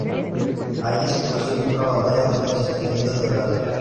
Allí se produce una batalla, donde es herido de gravedad.